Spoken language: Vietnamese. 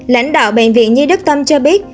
lãnh đạo bệnh viện nhi đức tâm cho biết